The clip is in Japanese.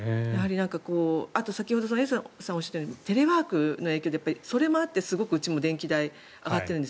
あと先ほど延増さんがおっしゃったようにテレワークの影響でそれもあってうちも電気代が上がっているんです。